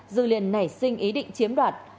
dư liền nảy sinh ý định chiếm đoạt